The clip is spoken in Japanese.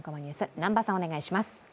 南波さん、お願いします。